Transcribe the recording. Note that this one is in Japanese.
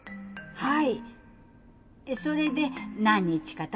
はい。